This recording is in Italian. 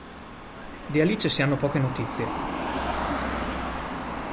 Di Alice si hanno poche notizie.